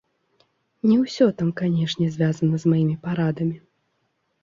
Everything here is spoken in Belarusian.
Не ўсё там, канешне, звязана з маімі парадамі.